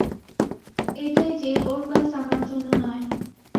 এটাই যে, ওর ক্লাস আমার জন্য নয়।